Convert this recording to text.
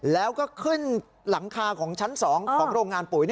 แล้วก็ขึ้นหลังคาของชั้น๒ของโรงงานปุ๋ย